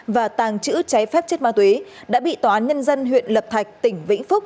và tàng trữ trái phép chất ma túy đã bị tòa án nhân dân huyện lập thạch tỉnh vĩnh phúc